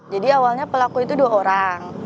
jadi awalnya pelaku itu dua orang